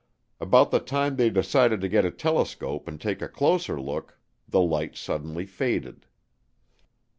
About the time they decided to get a telescope and take a closer look the light suddenly faded.